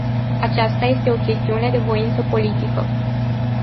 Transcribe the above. Aceasta este o chestiune de voință politică.